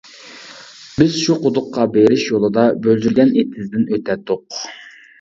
بىز شۇ قۇدۇققا بېرىش يولىدا بۆلجۈرگەن ئېتىزىدىن ئۆتەتتۇق.